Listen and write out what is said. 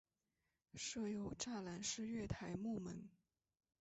设有栅栏式月台幕门。